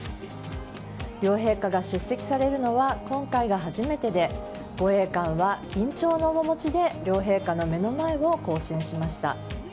両陛下が出席されるのは今回が初めてで護衛官は緊張の面持ちで両陛下の目の前を行進しました。